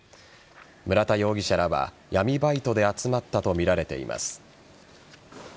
村田容疑者らは闇バイトで集まったとみられています。